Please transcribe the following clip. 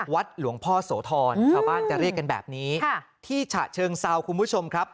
วัดหลวงพ่อโสธรชาวบ้านจะเรียกกันแบบนี้ที่ฉะเชิงเซาคุณผู้ชมครับ